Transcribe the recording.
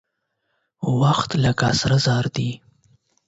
وخت لکه سره زر دى.